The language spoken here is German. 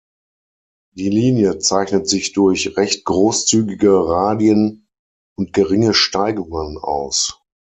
Die Linie zeichnet sich durch recht großzügige Radien und geringe Steigungen aus.